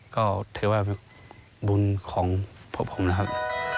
ก็เถอะว่าบุญของพวกผมนะครับ